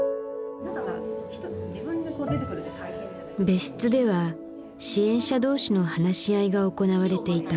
別室では支援者同士の話し合いが行われていた。